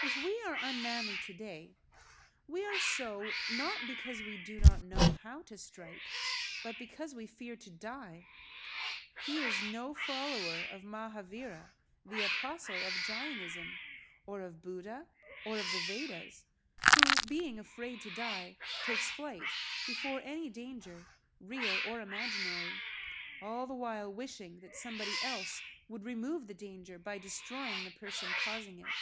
If we are unmanly today, we are so, not because we do not know how to strike, but because we fear to die. He is no follower of Mahavira, the apostle of Jainism, or of Buddha or of the Vedas, who being afraid to die, takes flight before any danger, real or imaginary, all the while wishing that somebody else would remove the danger by destroying the[Pg 22] person causing it.